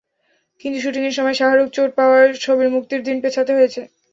কিন্তু শুটিংয়ের সময় শাহরুখ চোট পাওয়ায় ছবির মুক্তির দিন পেছাতে হয়েছে।